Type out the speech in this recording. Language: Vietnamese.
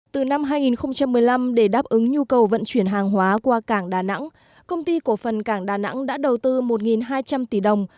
từ năm hai nghìn một mươi năm để đáp ứng nhu cầu vận chuyển hàng hóa qua cảng đà nẵng công ty cổ phần cảng đà nẵng đã đầu tư một hai trăm linh tỷ đồng